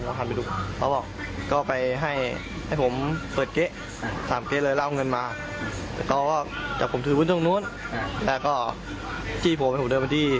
ขออนุญาตแล้วเก่งกสั่งมาแล้วก็จากผมที่ว่นตรงนู้นแล้วก็พี่ไม่มี